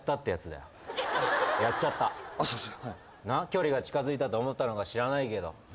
距離が近づいたと思ったのか知らないけど。